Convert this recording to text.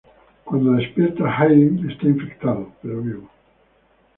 Cuando despierta, Hayden está infectado, pero vivo.